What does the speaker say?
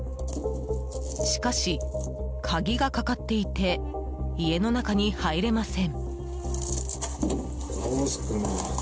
しかし、鍵がかかっていて家の中に入れません。